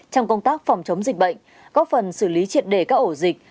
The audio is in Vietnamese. trong công tác phòng chống dịch bệnh góp phần xử lý triệt đề các ổ dịch